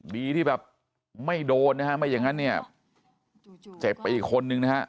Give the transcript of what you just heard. ดีที่แบบไม่โดนนะฮะไม่อย่างนั้นเนี่ยเจ็บไปอีกคนนึงนะฮะ